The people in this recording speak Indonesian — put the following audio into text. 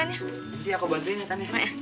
nanti aku bantuin ya tan ya